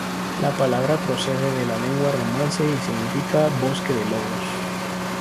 La palabra procede de la lengua romance y significa "bosque de lobos".